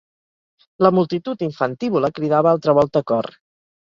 La multitud infantívola cridava altra volta a cor